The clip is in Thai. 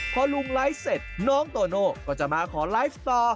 พอลุงไลฟ์เสร็จน้องโตโน่ก็จะมาขอไลฟ์ต่อ